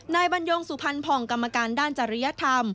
นายบรรยงสุพันธ์ภองกรรมการด้านจริยธรรม